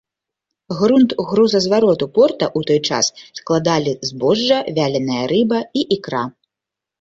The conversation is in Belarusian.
Грунт грузазвароту порта ў той час складалі збожжа, вяленая рыба і ікра.